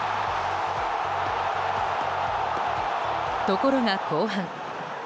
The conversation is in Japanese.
ところが後半。